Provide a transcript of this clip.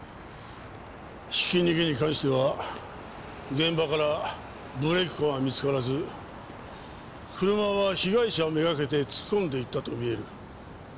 ひき逃げに関しては現場からブレーキ痕は見つからず車は被害者めがけて突っ込んでいったと見える。